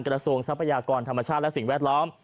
ทรัพยากรธรรมชาติและสิ่งแวดล้อม